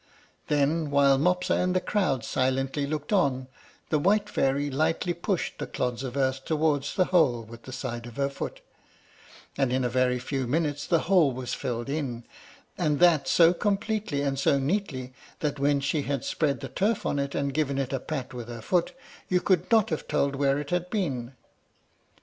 Then, while Mopsa and the crowd silently looked on, the white fairy lightly pushed the clods of earth towards the hole with the side of her foot, and in a very few minutes the hole was filled in, and that so completely and so neatly, that when she had spread the turf on it, and given it a pat with her foot, you could not have told where it had been.